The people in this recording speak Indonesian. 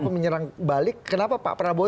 menyerang balik kenapa pak prabowo